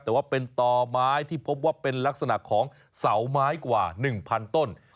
แต่ว่าเป็นต่อไม้ที่พบว่าเป็นลักษณะของเสาไม้กว่า๑๐๐ต้น